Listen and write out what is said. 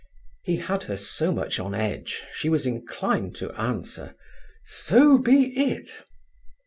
He had her so much on edge she was inclined to answer, "So be it."